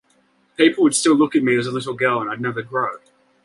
People would still look at me as a little girl and I'd never grow.